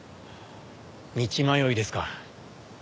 道迷いですか。